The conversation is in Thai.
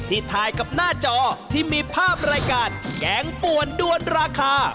ถ่ายกับหน้าจอที่มีภาพรายการแกงป่วนด้วนราคา